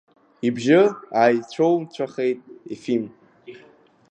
Ибжьы ааицәоуцәахеит ефим.